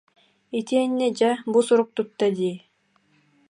Итиэннэ дьэ, бу сурук тутта дии